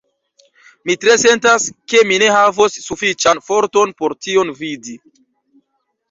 Mi tre sentas, ke mi ne havos sufiĉan forton por tion vidi.